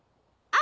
あ！